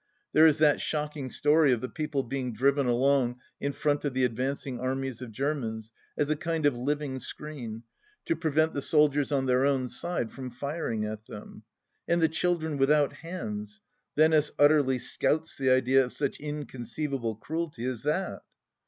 There is that shocking story of the people being driven along in front of the advancing armies of Germans, as a kind of living screen, to prevent the soldiers on their own side from firing at them 1 And the children without hands 1 Venice utterly scouts the idea of such inconceivable cruelty as that